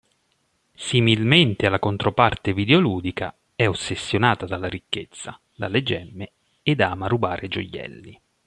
Similmente alla controparte videoludica, è ossessionata dalla ricchezza, dalle gemme ed ama rubare gioielli.